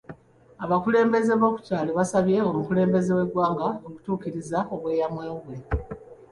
Abakulembeze b'okukyalo baasabye omukulembeze w'eggwanga okutukiriza obweyamo bwe.